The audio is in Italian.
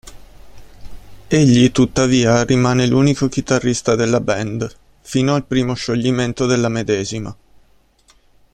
Egli tuttavia rimane l'unico chitarrista della band, fino al primo scioglimento della medesima.